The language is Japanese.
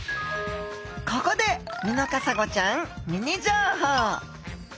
ここでミノカサゴちゃんミニ情報。